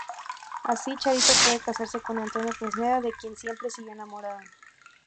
Así, Charito puede casarse con Antonio Fresneda de quien siempre siguió enamorada.